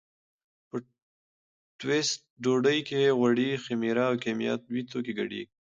په ټوسټ ډوډۍ کې غوړي، خمیر او کیمیاوي توکي ګډېږي.